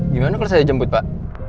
di mana kalau saya jemput pak